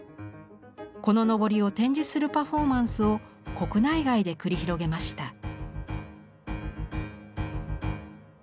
この幟を展示するパフォーマンスを国内外で繰り広げました。